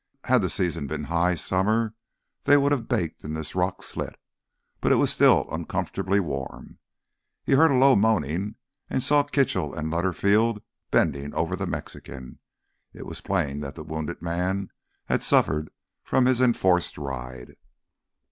Had the season been high summer they would have baked in this rock slit, but it was still uncomfortably warm. He heard a low moaning and saw Kitchell and Lutterfield bending over the Mexican. It was plain that the wounded man had suffered from his enforced ride.